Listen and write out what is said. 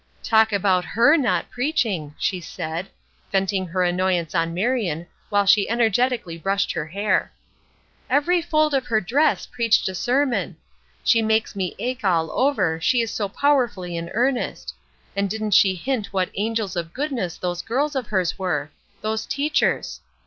"Talk about her not preaching," she said, venting her annoyance on Marion while she energetically brushed her hair. "Every fold of her dress preached a sermon! She makes me ache all over, she is so powerfully in earnest; and didn't she hint what angels of goodness those girls of hers were those teachers!